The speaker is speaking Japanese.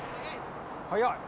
早い。